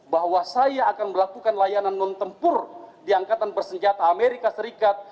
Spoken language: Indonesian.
bahwa saya akan melakukan layanan non tempur di angkatan bersenjata amerika serikat